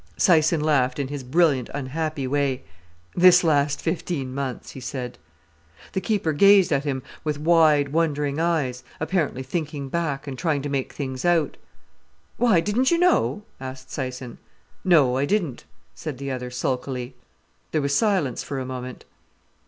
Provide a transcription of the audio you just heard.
Syson laughed in his brilliant, unhappy way. "This last fifteen months," he said. The keeper gazed at him with wide, wondering eyes, apparently thinking back, and trying to make things out. "Why, didn't you know?" asked Syson. "No, I didn't," said the other sulkily. There was silence for a moment.